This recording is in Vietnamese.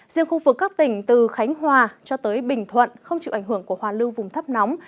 riêng khu vực các tỉnh từ khánh hòa cho tới bình thuận không chịu ảnh hưởng của hoa lưu vùng thấp nóng